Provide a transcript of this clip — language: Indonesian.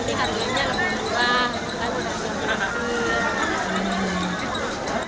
nah ini berarti